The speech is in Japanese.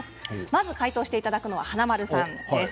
まず回答していただくのは華丸さんです。